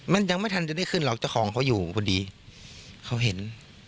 มันยังไม่ทันจะได้ขึ้นหรอกเจ้าของเขาอยู่พอดีเขาเห็น